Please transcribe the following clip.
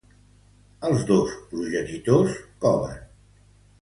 Els dos progenitors coven.